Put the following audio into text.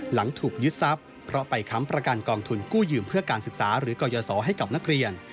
หลังถูกยึดทรัพย์เพราะไปค้ำประกันกองทุนกู้ยืมเพื่อการศึกษาหรือกรยศให้กับนักเรียน